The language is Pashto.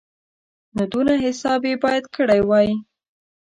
خو دونه حساب یې باید کړی وای.